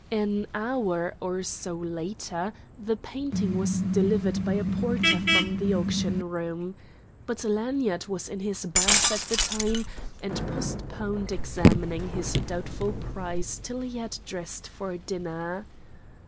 An hour or so later the painting was delivered by a porter from the auction room. But Lanyard was in his bath at the time and postponed examining his doubtful prize till he had dressed for dinner.